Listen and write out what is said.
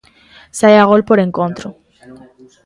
Sae a gol por encontro.